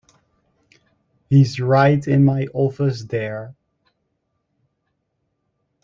He's right in my office there.